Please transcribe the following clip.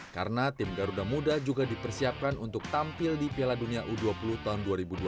karena tim garuda muda juga dipersiapkan untuk tampil di piala dunia u dua puluh tahun dua ribu dua puluh satu